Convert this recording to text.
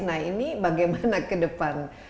nah ini bagaimana ke depan